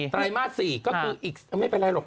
ไตรมาส๔ก็คืออีกไม่เป็นไรหรอก